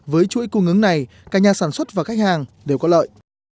với chuỗi cung ứng này cả nhà sản xuất và khách hàng đều có lợi